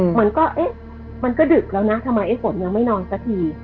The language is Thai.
เหมือนก็เอ๊ะมันก็ดึกแล้วนะทำไมไอ้ฝนยังไม่นอนสักที